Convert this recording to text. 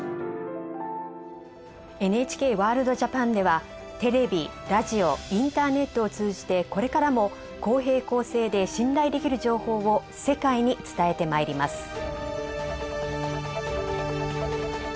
「ＮＨＫワールドＪＡＰＡＮ」ではテレビラジオインターネットを通じてこれからも公平・公正で信頼できる情報を世界に伝えてまいります。